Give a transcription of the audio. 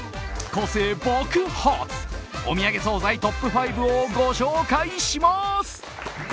個性爆発おみやげ総菜トップ５をご紹介します。